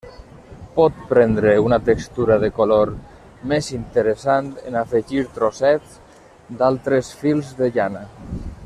Pot prendre una textura de color més interessant en afegir trossets d'altres fils de llana.